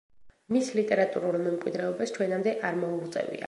მის ლიტერატურულ მემკვიდრეობას ჩვენამდე არ მოუღწევია.